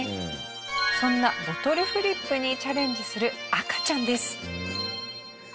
そんなボトルフリップにチャレンジする赤ちゃんです。